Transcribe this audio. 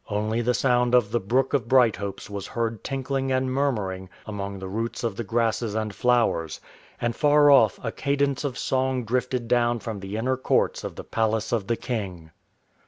Only the sound of the brook of Brighthopes was heard tinkling and murmuring among the roots of the grasses and flowers; and far off a cadence of song drifted down from the inner courts of the Palace of the King.